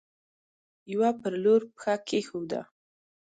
يوه پر لور پښه کيښوده.